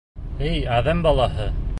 Эй, әҙәм балаһы!